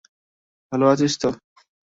ভালো আছিস তো?